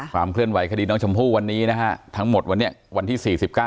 ความเคลื่อนไหวคดีน้องชมพู่วันนี้ทั้งหมดวันที่๔๙